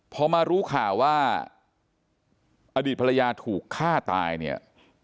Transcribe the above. พอมารู้ข่าวว่าอดีตภรรยาถูกฆ่าตายเนี่ย